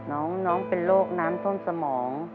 น้องเป็นโรคน้ำท่วมสมอง